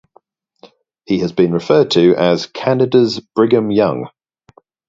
He has been referred to as "Canada's Brigham Young".